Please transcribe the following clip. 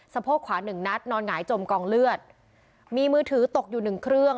โพกขวาหนึ่งนัดนอนหงายจมกองเลือดมีมือถือตกอยู่หนึ่งเครื่อง